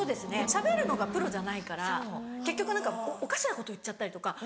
しゃべるのがプロじゃないから結局何かおかしなこと言っちゃったりとか。